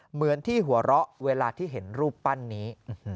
เหมือนที่หัวเราะเวลาที่เห็นรูปปั้นนี้